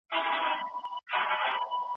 ما چي میوند، میوند نارې وهلې